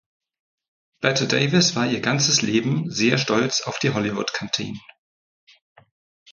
Bette Davis war ihr ganzes Leben sehr stolz auf die „Hollywood Canteen“.